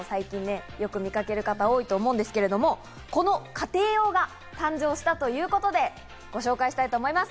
よく見かけると思うんですけど、この家庭用が誕生したということでご紹介したいと思います。